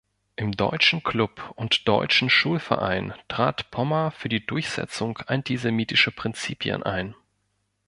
Im Deutschen Klub und Deutschen Schulverein trat Pommer für die Durchsetzung antisemitischer Prinzipien ein.